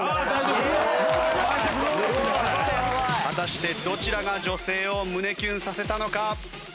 果たしてどちらが女性を胸キュンさせたのか？